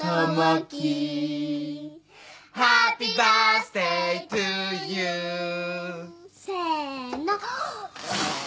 「ハッピーバースデートゥーユー」せの。